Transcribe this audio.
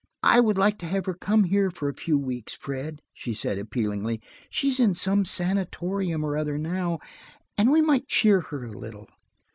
I would like to have her come here for a few weeks, Fred," she said appealingly. "She is in some sanatorium or other now, and we might cheer her a little."